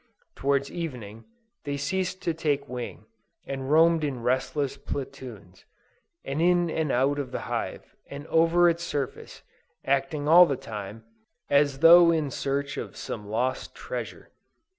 Towards evening, they ceased to take wing, and roamed in restless platoons, in and out of the hive, and over its surface, acting all the time, as though in search of some lost treasure.